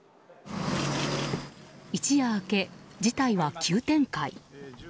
一夜明け、事態は急展開。